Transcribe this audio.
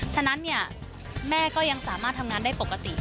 ฉะนั้นเนี่ยแม่ก็ยังสามารถทำงานได้ปกติ